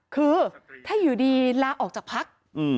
คือถ้าอยู่ดีลาออกจากพัก